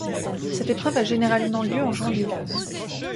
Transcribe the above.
Cette épreuve a généralement lieu en janvier.